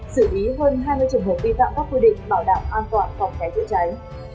xử lý hơn hai mươi trường hợp vi phạm các quy định bảo đảm an toàn phòng cháy chữa cháy